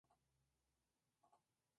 Las larvas tienen típicamente forma de "C".